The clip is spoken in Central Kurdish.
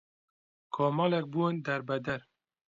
کۆمەڵێک بوون دەربەدەر